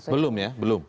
belum ya belum